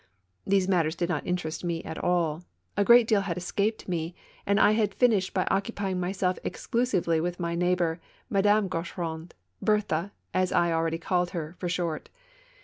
These matters did not interest me at all, a great deal had escaped me, and I had fin ished by occupying myself exclusively with my neigh bor, Madame Gaucheraud — Berthe, as I already called her, for short.